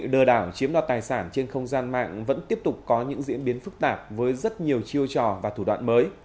lừa đảo chiếm đoạt tài sản trên không gian mạng vẫn tiếp tục có những diễn biến phức tạp với rất nhiều chiêu trò và thủ đoạn mới